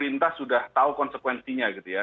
pemerintah sudah tahu konsekuensinya gitu ya